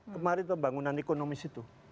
kemarin pembangunan ekonomis itu